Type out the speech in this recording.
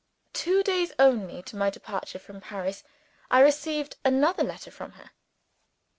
Two days only before my departure from Paris, I received another letter from her.